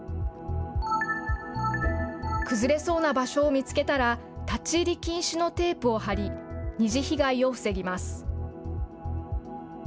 崩れそうな場所を見つけたら、立ち入り禁止のテープを張り、二次被害を防ぎます。